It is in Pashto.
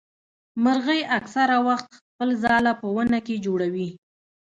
مرغۍ اکثره وخت خپل ځاله په ونه کي جوړوي.